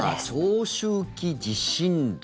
長周期地震動。